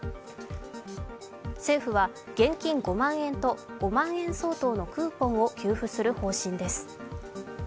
政府は現金５万円と５万円相当のクーポンを給付する方針です。